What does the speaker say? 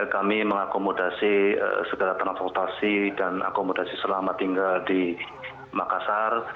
kami mengakomodasi segera transportasi dan akomodasi selamat tinggal di makassar